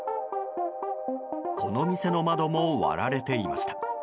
この店の窓も割られていました。